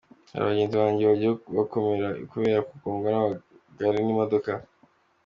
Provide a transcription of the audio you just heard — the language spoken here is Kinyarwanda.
Hari bagenzi banjye bagiye bakomereka kubera kugongwa n’amagare n’imodoka.